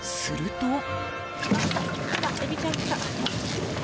すると。